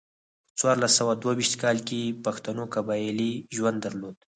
په څوارلس سوه دوه ویشت کال کې پښتنو قبایلي ژوند درلود.